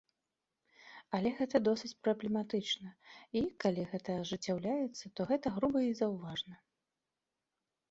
Але гэта досыць праблематычна і, калі гэта ажыццяўляецца, то гэта груба і заўважна.